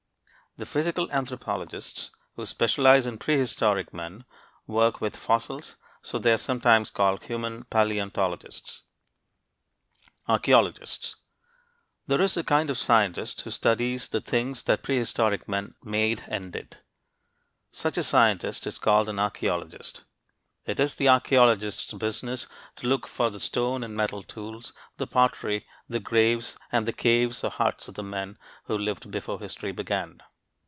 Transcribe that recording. The physical anthropologists who specialize in prehistoric men work with fossils, so they are sometimes called human paleontologists. ARCHEOLOGISTS There is a kind of scientist who studies the things that prehistoric men made and did. Such a scientist is called an archeologist. It is the archeologist's business to look for the stone and metal tools, the pottery, the graves, and the caves or huts of the men who lived before history began.